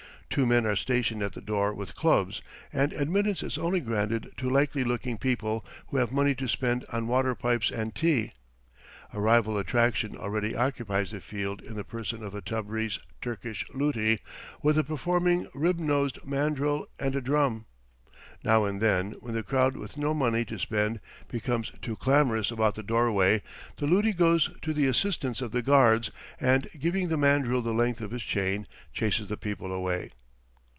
Two men are stationed at the door with clubs, and admittance is only granted to likely looking people who have money to spend on water pipes and tea. A rival attraction already occupies the field in the person of a Tabreez Turkish luti with a performing rib nosed mandril and a drum. Now and then, when the crowd with no money to spend becomes too clamorous about the doorway, the luti goes to the assistance of the guards, and giving the mandril the length of his chain, chases the people away.